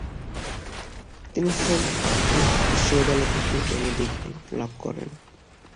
তিনি saint Andrews বিশ্ববিদ্যালয় থেকে এম.ডি. ডিগ্রি লাভ করেন ।